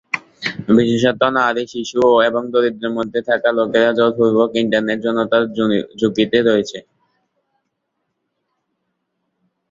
বিশেষত নারী, শিশু এবং দারিদ্র্যের মধ্যে থাকা লোকেরা জোর পূর্বক ইন্টারনেট যৌনতার ঝুঁকিতে রয়েছে।